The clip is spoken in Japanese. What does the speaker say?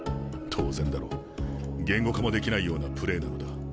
当然だろう言語化もできないようなプレーなのだ。